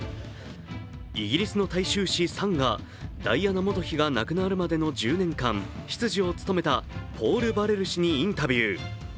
イギリスの大衆紙「サン」がダイアナ元妃が亡くなるまでの１０年間、執事を務めたポール・バレル氏にインタビュー。